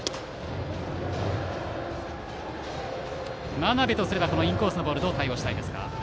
真鍋とすればこのインコースのボールどう対応したいですか。